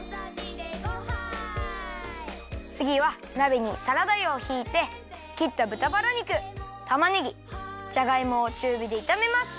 つぎはなべにサラダ油をひいてきったぶたバラ肉たまねぎじゃがいもをちゅうびでいためます。